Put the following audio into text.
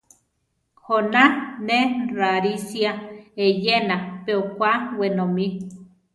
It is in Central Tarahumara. Goná ne rarisia eyena pe okwá wenomí.